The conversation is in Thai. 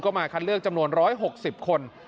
ก็มาคัดเลือกจำนวน๑๖๐คน